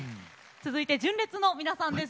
続いて純烈の皆さんです。